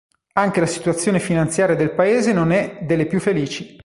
Anche la situazione finanziaria del paese non è delle più felici.